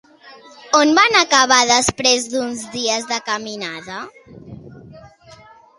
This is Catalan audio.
On van acabar després d'uns dies de caminada?